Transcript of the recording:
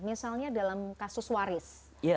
misalnya dalam kasus waris